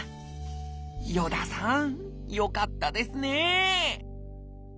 与田さんよかったですね！